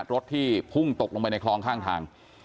รถที่พุ่งตกลงไปในคลองข้างทาง